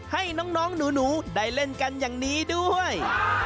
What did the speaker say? ให้น้องหนูได้เล่นกันอย่างนี้ด้วย